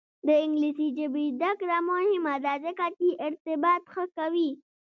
د انګلیسي ژبې زده کړه مهمه ده ځکه چې ارتباط ښه کوي.